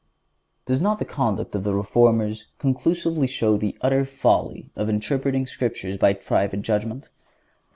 Does not the conduct of the Reformers conclusively show the utter folly of interpreting the Scriptures by private judgment?